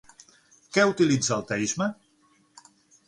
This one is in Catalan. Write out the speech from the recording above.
Què utilitza el teisme?